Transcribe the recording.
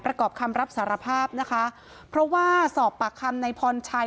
ประกอบคำรับสารภาพนะคะเพราะว่าสอบปากคำในพรชัย